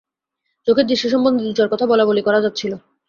চোখের দৃষ্টি সম্বন্ধে দু-চার কথা বলাবলি করা যাচ্ছিল।